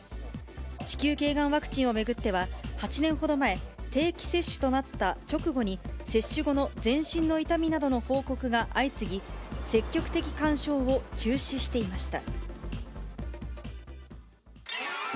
子宮けいがんワクチンを巡っては、８年ほど前、定期接種となった直後に接種後の全身の痛みなどの報告が相次ぎ、積極的勧奨を中止していました。